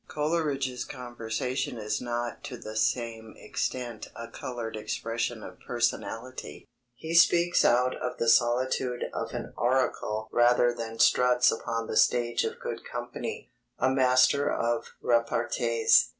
Coleridge's conversation is not to the same extent a coloured expression of personality. He speaks out of the solitude of an oracle rather than struts upon the stage of good company, a master of repartees.